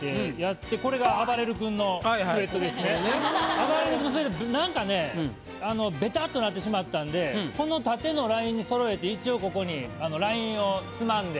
あばれる君のスウェット何かねあベタっとなってしまったんでこの縦のラインにそろえて一応ここにラインをつまんで。